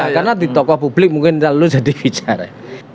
karena di toko publik mungkin lalu jadi bicara